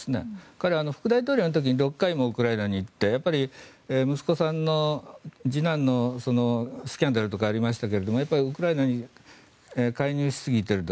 彼は副大統領の時に６回もウクライナに行ってやっぱり息子さんの次男のスキャンダルとかありましたけどウクライナに介入しすぎていると。